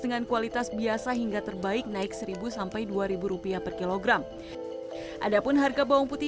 dan kualitas biasa hingga terbaik naik seribu dua ribu rupiah per kilogram adapun harga bawang putih